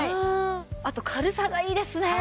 あと軽さがいいですね。